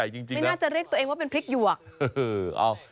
จริงไม่น่าจะเรียกตัวเองว่าเป็นพริกหยวก